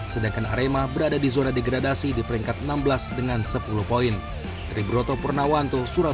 sedangkan arema berada di zona degradasi di peringkat enam belas dengan sepuluh poin